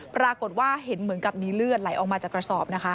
ปรากฏว่าเห็นเหมือนกับมีเลือดไหลออกมาจากกระสอบนะคะ